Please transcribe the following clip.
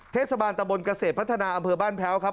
เทศบาลตะบนเกษตรพัฒนาอำเภอบ้านแพ้วครับ